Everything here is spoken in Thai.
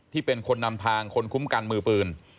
เป็นคนนำทางคนคุ้มกันมือปืน